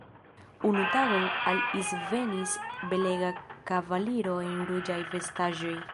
Unu tagon al Is venis belega kavaliro en ruĝaj vestaĵoj.